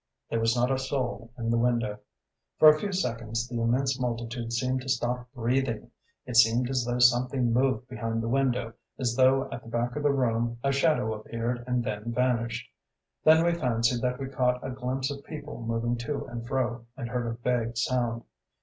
There was not a soul in the window. For a few seconds the immense multitude seemed to stop breathing. It seemed as though something moved behind the window as though at the back of the room a shadow appeared and then vanished. Then we fancied that we caught a glimpse of people moving to and fro, and heard a vague sound.